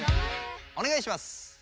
おねがいします！